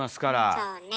そうね。